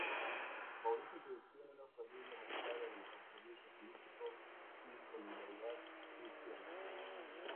Mauricio creció en una familia marcada del compromiso político y solidaridad cristiana.